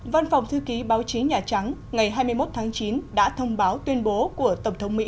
văn phòng thư ký báo chí nhà trắng ngày hai mươi một tháng chín đã thông báo tuyên bố của tổng thống mỹ